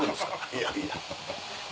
いやいや。